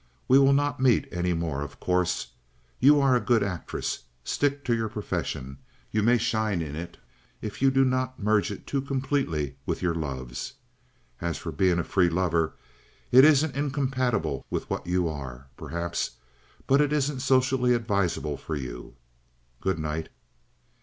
We will not meet any more, of course. You are a good actress. Stick to your profession. You may shine in it if you do not merge it too completely with your loves. As for being a free lover, it isn't incompatible with what you are, perhaps, but it isn't socially advisable for you. Good night."